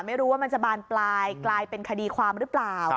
ไม่รู้ว่ามันจะบานปลายกลายเป็นคดีความหรือเปล่า